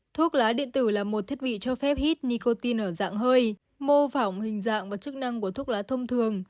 thuốc lá điện tử là một thiết bị cho phép hít nicotine ở dạng hơi mô phỏng hình dạng và chức năng của thuốc lá thông thường